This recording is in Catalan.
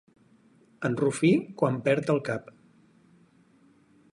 En Rufí quan perd el cap.